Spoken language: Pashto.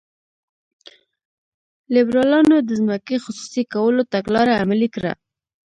لیبرالانو د ځمکې خصوصي کولو تګلاره عملي کړه.